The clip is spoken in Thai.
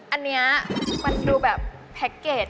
อันนี้มันดูแบบแพ็คเกจ